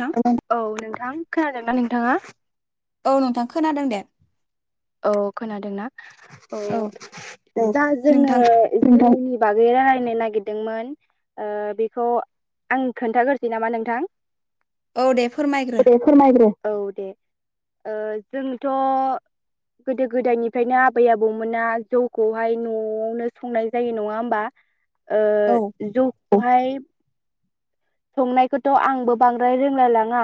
नोंथां औ नोंथां खोनादोंना नोंथांङा औ नोंथां खोनादों दे औ खोनादोंना औ दा जोंङो नोंथां [unintelligible] बागै रायलायनो नागिरदोंमोन। बेखौ आं खोन्थागोरसै नामा नोंथां औ दे फोरमायग्रो दे फोरमायग्रो औ दे जोंथ' गोदो गोदायनिफ्रायनो आबै आबौमोना जौखौहाय न'आवनो संनाय जायो। नंङा होमबा ओ औ जौखौहाय संनायखौथ' आंबो बांद्राय रोंलाय लांङा।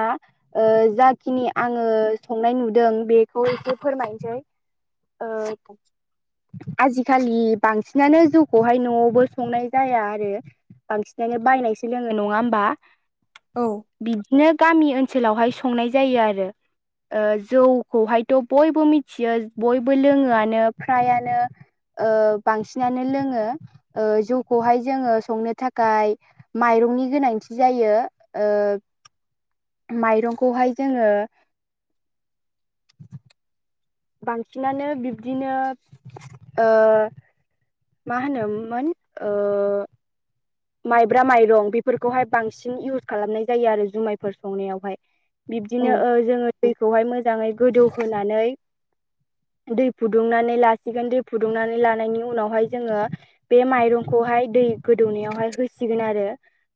ओ जाखिनि आंङो संनाय नुदों बेखौ एसे फोरमायनोसै ओ आजिखालि बांसिनानो जौखौहाय न'आवबो संनाय जाया आरो बांसिनानो बायनायसो लोंङो नंङा होमबा औ बिदिनो गामि ओनसोलावहाय संनाय जायो आरो ओ जौखौहायथ' बयबो मिथियो बयबो लोंङोआनो फ्रायानो ओ बांसिनानो लोंङो जौखौहाय जोंङो संनो थाखाय माइरंनि गोनांथि जायो। माइरंखौहाय जोंङो बांसिनानो बिब्दिनो ओ मा होनोमोन ओ माइब्रा माइरं बेफोरखौहाय बांसिन इउस खालामनाय जायो आरो जुमायफोर संनायावहाय औ बिब्दिनो जोंङो दैखौहाय मोजांङै गोदौहोनानै दै फुदुंनानै लासिगोन दै फुदुंनानै लानायनि उनावहाय जोंङो बे माइरंखौहाय दै गोदौनायावहाय होसिगोन आरो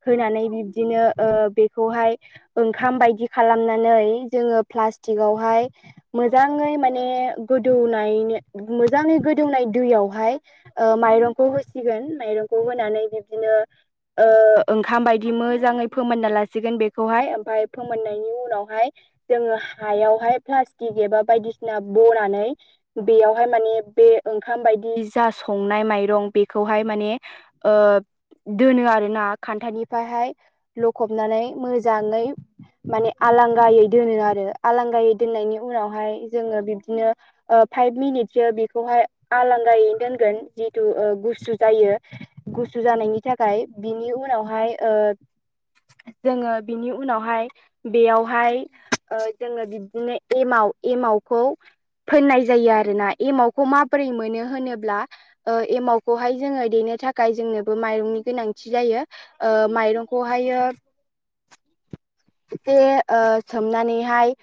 होनानै बिब्दिनो बेखौहाय ओंखाम बायदि खालामनानै जोंङो प्लास्टिकआवहाय मोजांङै माने गोदौ मोजांङै गोदौनाय दैयावहाय ओ माइरंखौ होसिगोन माइरंखौ होनानै बिब्दिनो ओंखाम बायदि मोजाङै फोमोनना लासिगोन बेखौहाय ओमफफ्राय फोमोननायनि उनावहाय जोंङो हायावहाय प्लास्टिक एबा बायदिसिना बनानै बेयावहाय माने बे ओंखाम बायदि जा संनाय माइरं बेखौहाय माने ओ दोनो आरोना खान्थनिफ्रायहाय लखबनानै मोजांङै माने आलांगायै दोनो आरो आलांगायै दोननायनि उनावहाय जोंङो बिब्दिनो फाइभ मिनिटसो बेखौहाय आलांगायै दोनगोन जिथु गुसु जायो। गुसु जानायनि थाखाय बिनि उनावहाय ओ। जोंङो बिनि उनावहाय बेयावहाय ओ जोंङो बिब्दिनो एमाव एमावखौ फोननाय जायो आरोना एमावखौ माबोरै मोनो होनोब्ला? ओ एमावखौहाय जोंङो देनो थाखाय जोंनोबो माइरंनि गोनांथि जायो ओ माइरंखौहायो। एसे ओ सोमनानैहाय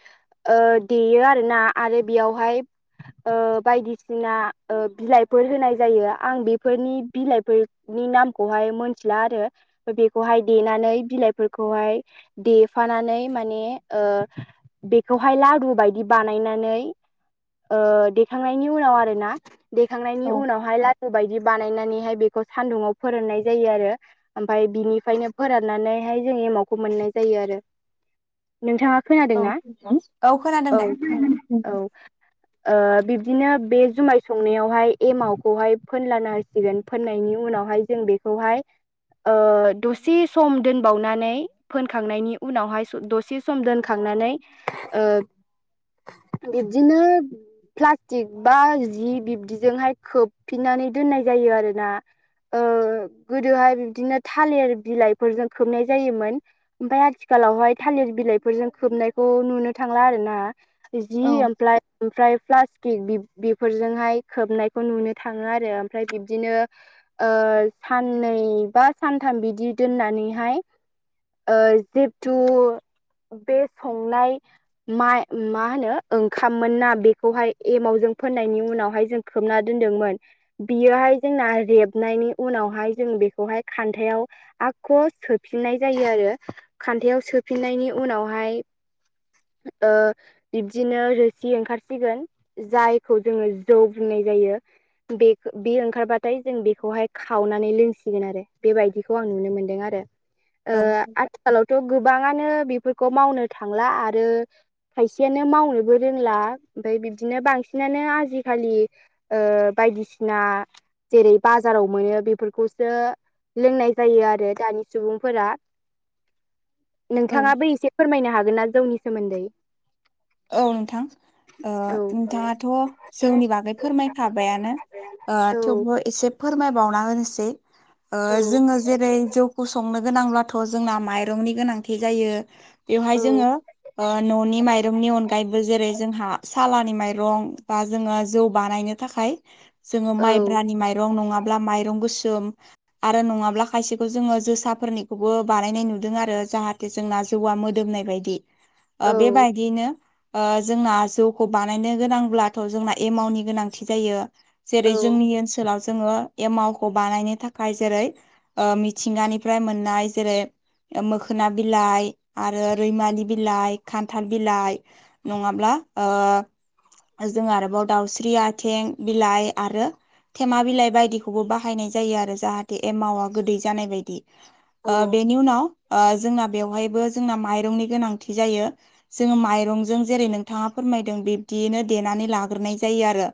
ओ देयो आरो ना आरो बेयावहाय ओ बायदिसिना बिलाइफोर होनाय जायो आं बेफोरनि बिलाइफोर नि नामखौहाय मोनथिला आरो बेखौहाय देनानै बिलाइफोरखौहाय देफानानै माने ओ बेखौहाय लारु बायदि बानायनानै ओ देखांनायनि उनाव आरो ना देखांनायनि औ उनावहाय लादु बायदि बानायनानैहाय बे बे सान्दुुंङाव फोराननाय जायो आरो ओमफ्राय बिनिफ्रायनो फोराननानैहाय जों एमावखौ मोननाय जायो आरो नोंथाङा खोनादों औ ना? खोनादों औ दे औ [inaudible] ओ बिब्दिनो बे जुमाय संनायावहाय एमावखौहाय फोनलाना होसिगोन फोननायनि उनावहाय जों बेखौहाय ओ दसे सम दोनबावनानै फोनखांनायनि उनावहाय दसे सम दोनखांनानै ओ बिबदिनो प्लास्टिक बा जि बिब्दिजोंहाय खोबफिननानै दोननाय जायो आरोना। गोदोहाय बिबदिनो थालिर बिलाइफोरजों खोबनाय जायोमोन। ओमफाय आथिखालावहाय थालिर बिलाइफोरजों खोबनायखौ नुनो थांला आरो ना। जि औ ओमफ्लाय प्लास थिक बिब बेफोरजोंहाय खोबनायखौ नुनो थाङो आरो ओमफ्राय बिब्दिनो ओ साननै बा सानथाम बिदि दोननानैहाय ओ जिथु बे संनाय। माय मा होनो ओंखाम मोन ना बेखौहाय एमाव जों फोननायनि उनावहाय जों खोबना दोनदोंमोन। बियोहाय जोंना रेबनायनि उनावहाय जों बेखौहाय खान्थायाव आगखौ सोफिननाय जायो आरो खान्थायाव सोफिननायनि उनावहाय ओ बिब्दिनो रोसि ओंखारसिगोन जायखौ जोङो जौ बुंनाय जायो। बेग बे ओंखारबा। ओमफ्राय जों बेखौहाय खावनानै लोंसिगोन आरो बेबायदिखौ आं नुनो मोन्दों आरो। ओ औ आथिखालावथ' गोबाङानो बेफोरखौ मावनो थांला आरो। खायसेयानो मावनोबो रोंला ओमफ्राय बिब्दिनो बांसिनानो आजिखालि ओ बायदिसिना जेरै बाजाराव मोनो बेफोरखौसो लोंनाय जायो आरो दानि सुबुंफोरा नोंथाङाबो एसे फोरमायनो हागोन ना? जौनि सोमोन्दै औ नोंथां औ नोंथाङाथ' जोंनि बागै फोरमायखाबायानो ओ औ थेवबो एसे फोरमायबावना होनोसै जोङो जेरै जौखौ संनो गोनांब्लाथ' जोंना माइरंनि गोनांथि जायो। बेयावहाय जोंङो ओ ननि माइ माइरंनि अनगायैबो जेरै जोंहा सालानि माइरं बा जोङो जौ बानायनो थाखाय जोङो औ माइब्रानि माइरं नङाब्ला माइरं गोसोम आरो नङाब्ला खायसेखौ जोङो जोसाफोरनिखौबो बानायनाय नुदों आरो जाहाथ जोंना जौआ मोदोमनाय बायदि ओ औ बेबायद ओ जोंना जौखौ बानायनो गोनांब्लाथ' जोंना एमावनि गोनांथि जायो। औ जेरै जोंनि ओनसोलाव जोङो एमावखौ बानायनो थाखाय जेरै ओ मिथिंगानिफ्राय मोननाय जेरै ओ मोखोना बिलाइ आरो रैमालि बिलाइ खान थाल बिलाइ नङाब्ला ओ जों आरोबाव दाउस्रि आथिं बिलाइ आरो थेमा बिलाइ बायदिखौबो बाहायनाय जायो आरो जाहाथे एमावा गोदै जानाय बायदि बेनि उनाव जोंना बेवहायबो जोंना माइरंनि गोनांथि जायो जोङो माइरंजों जेरै नोंथाङा फोरमायदों बिब्दियैनो देनानै लाग्रोनाय जायो आरो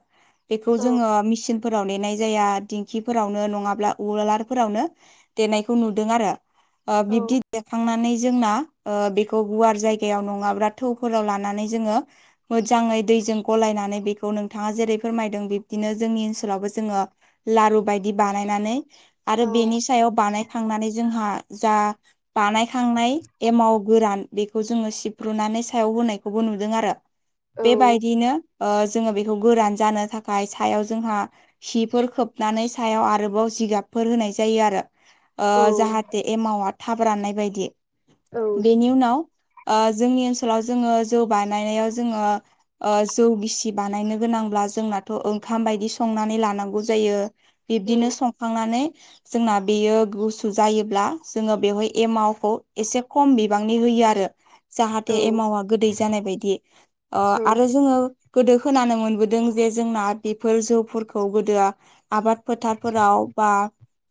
बेखौ औ जोङो मिसिनफोराव देनाय जाया दिं खिफोरावनो नङाब्ला उवालफोरावनो देनायखौ नुदों आरो औ बिब्दि देखांनानै जोंना बेखौ गुवार जायगायाव नङाब्ला थौफोराव लानानै जोङो मोजाङै दैजों गलायनानै बेखौ नोंथाङा जेरै फोरमायदों बिब्दिनो जोंनि ओनसोलावबो जोङो लारु बायदि बानायनानै औ आरो बेनि सायाव बानायखांनानै जोंहा जा बानायखांनाय एमाव गोरान बेखौ जोङो सिब्रुनानै सायाव होनायखौबो नुदों आरो बेबायदिनो जोङो बेखौ गोरान जानो थाखाय सायाव जोंहा सिफोर खोबनानै सायाव आरोबाव जिगाबफोर होनाय जायो आरो ओ जाहाथे एमावा थाब राननाय बायदि बेनि उनाव आ जोंनि ओनसोलाव जोङो जौ बानायनायाव जोङो आ जौ गिसि बानायनो गोनांब्ला जोंनाथ' ओंखाम बायदि संनानै लानांगौ जायो बिदिनो संखांनानै जोंना बेयो गुस सु जायोब्ला जोङो बेयाव एमावखौ एसे खम बिबांनि होयो आरो जाहा थे औ एमावा गोदै जानाय बायदि अ आरो जोङो गोदो खोनानो मोनबोदों जे जोंना बेफोर जौफोरखौ गोदोआ आबाद फोथारफोराव बा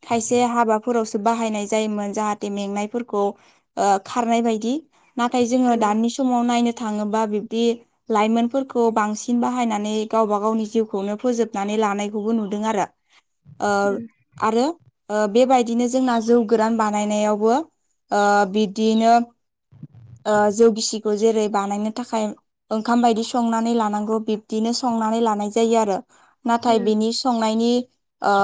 खायसे हाबाफोरावसो बाहायनाय जायोमोन जाहाथे मेंनायफोरखौ आ खारनाय बायदि नाथाय जोङो दानि समाव नायनो थाङोबा बिब्दि लाइमोनफोरखौ बांसिन बाहायनानै गावबा गावनि जिउखौनो फोजोबनानै लानायखौबो नुदों आरो ओ आरो बेबायदिनो जोंना जौ गोरान बानायनायावबो ओ बिदिनो जौगिसिखौ जेरै बानायनो थाखाय ओंखाम बायदि संनानै लानांगौ बिब्दिनो संनानै लानाय जायो आरो औ नाथाय बिनि संनायनि ओ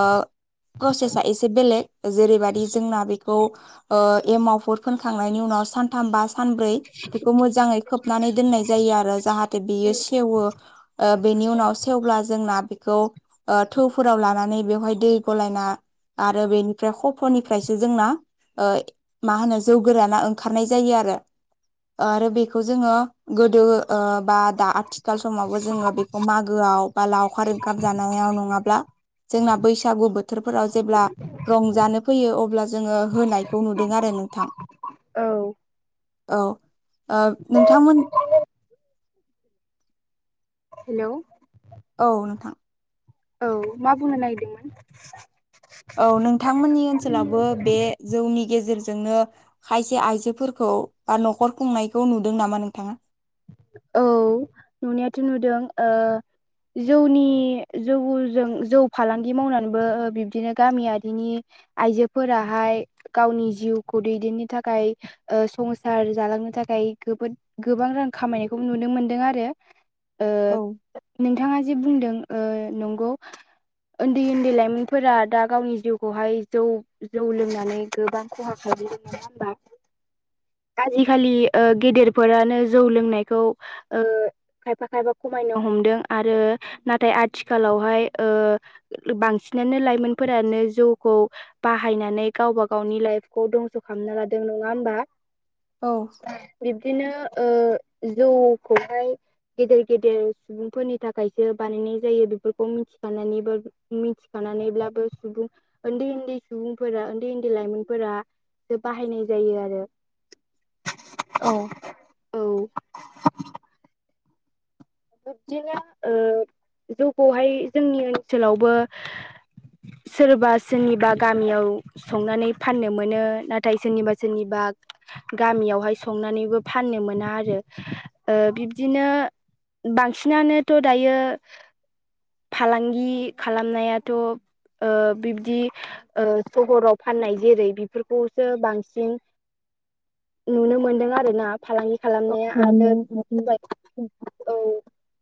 प्रसेसा एसे बेलेग जेरैबादि जोंना बेखौ ओ एमावफोर फोनखांनायनि उनाव सानथाम बा सानब्रै बेखौ मोजाङै खोबनानै दोननाय जायो आरो जाहाथे औ बेयो सेवो ओ बेनि उनाव सेवब्ला जोंना बेखौ आ थौफोराव लानानै बेवहाय दै गलायना आरो बेनिफ्राय कफ'निफ्रायसो जोंना ओ मा होनो जौ गोराना ओंखारनाय जायो आरो आरो बेखौ जोङो गोदो बा ओ दा आथिखाल समावबो जोङो बेखौ मागोआव बा लावखार ओंखाम जानायाव नङाब्ला जोंना बैसागु बो बोथोरफोराव जेब्ला रंजानो फैयो अब्ला जोङो होनायखौ नुदों आरो नोंथां औ औ नोंथांमोन हेल' औ नोंथां औ मा बुंनो नागिरदोंमोन औ नोंथांमोननि ओन्सोलावबो बे जौनि गेजेरजोंनो खायसे आइजोफोरखौ बा न'खर खुंनायखौ नुदों नामा नोंथाङा औ नुनायाथ' नुदों ओ जौनि जौजों जौ फालांगि मावनानैबो बिबदिनो गामियारिनि आइजोफोराहाय गावनि जिउखौ दैदेननो थाखाय ओ संसार जालांनो थाखाय गोबोद गोबां रां खामायनायखौ नुनो मोनदों आरो ओ औ नोंथाङा जे बुंदों ओ नंगौ उन्दै उन्दै लाइमोनफोरा दा गावनि जिउखौहाय जौ जौ लोंनानै गोबां खहा खालाम नङा होमबा आजिखालि ओ गेदेरफोरानो जौ लोंनायखौ ओ खायफा खायफा खमायनो हमदों आरो नाथाय आथिखालावहाय ओ बांसिनानो लाइमोनफोरानो जौखौ बाहायनानै गावबा गावनि लाइफखौ दंस' खालामना लादों नङा होमबा औ बिब्दिनो ओ जौखौहाय गेदेर गेदेर सुबुंफोरनि थाखायसो बानायनाय जायो बेफोरखौ मिथिखानानैबो मिथिखानानैब्लाबो सुबुं उन्दै उन्दै सुबुंफोरा उन्दै उन्दै लाइमोनफोरा बे बाहायनाय जायो आरो। औ औ। बिब्दिनो ओ जौखौहाय जोंनि ओनसोलावबो सोरबा सोरनिबा गामियाव संनानै फाननो मोनो नाथाय सोरनिबा सोरनिबा गामियावहाय संनानैबो फाननो मोना आरो ओ बिब्दिनो बांसिनानोथ' दायो फालांगि खालामनायाथ' ओ बिब्दि ओ सहराव फाननाय जेरै बेफोरखौसो बांसिन नुनो मोनदों आरो ना फालां खालामनाया [unintelligible] औ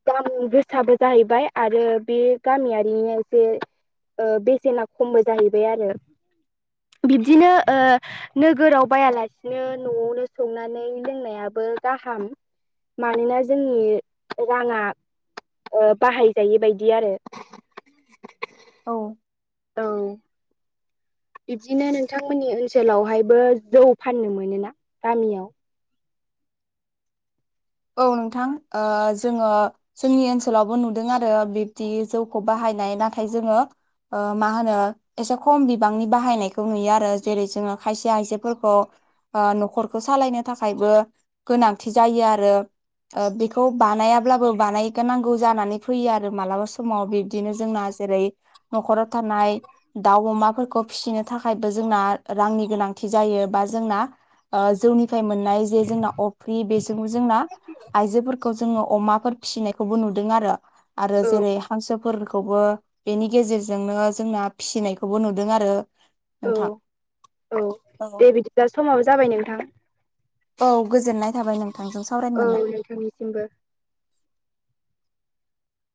दाम गोसाबो जाहैबाय आरो बे गामियारिनि जे ओ बेसेना खमबो जाहैबाय आरो बिदिनो ओ नोगोराव बायालासिनो न'आवनो संनानै लोंनायाबो गाहाम मानोना जोंनि राङा बाहायजायै बायदि आरो औ औ बिबदिनो नोंथांमोननि ओनसोलावहायबो जौ फाननो मोनोना गामियाव औ नोंथां ओ जोङो जोंनि ओनसोलावबो नुदों आरो बिब्दि जौखौ बाहायनाय नाथाय जोङो ओ मा होनो एसे खम बिबांनि बाहायनायखौ नुयो आरो जेरै जोङो खायसे आइजोफोरखौ ओ न'खरखौ सालायनो थाखायबो गोनांथि जायो आरो। बेखौ बानायाब्लाबो बानायगोनांगौ जानानै फैयो आरो मालाबा सम माव बिब्दिनो जोंना जेरै न'खराव थानाय दाउ अमाफोरखौ फिसिनो थाखायबो जोंना रांनि गोनांथि जायो बा जोंना ओ जौनिफ्राय मोननाय जे जोंना अफ्रि बेजोंबो जोंना आइजोफोरखौ जोङो अमाफोर फिसिनायखौबो नुदों आरो आरो औ जेरै हांसो फोरखौबो बेनि गेजेरजोंनो जोंना फिसिनायखौबो नुदों आरो। नोंथां औ-औ औ दे बिदिबा समाव जाबाय नोंथां। औ गोजोननाय थाबाय नोंथांजों सावरायनो मोनना औ नोंथांनिसिमबो।